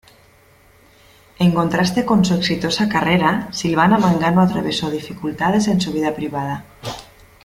En contraste con su exitosa carrera, Silvana Mangano atravesó dificultades en su vida privada.